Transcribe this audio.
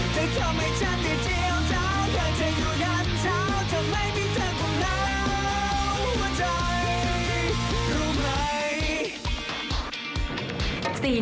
สวัสดีค่ะ